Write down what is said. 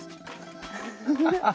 フフフッ。